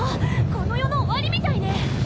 この世の終わりみたいね。